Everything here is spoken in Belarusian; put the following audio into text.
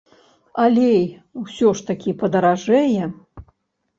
Алей усё ж такі падаражэе?